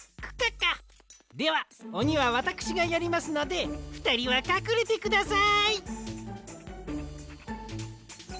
ではおにはわたくしがやりますのでふたりはかくれてください！